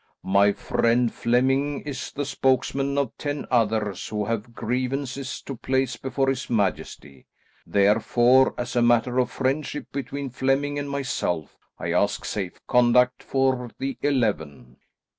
My friend, Flemming, is the spokesman of ten others who have grievances to place before his majesty. Therefore, as a matter of friendship between Flemming and myself, I ask safe conduct for the eleven."